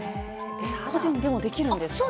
個人でもできるんですか？